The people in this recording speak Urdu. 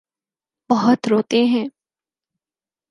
بہت روتے ہیں۔